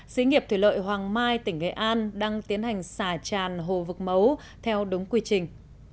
xí nghiệp thủy lợi hoàng mai tỉnh nghệ an đang tiến hành xả tràn hồ vực mấu theo đúng quy trình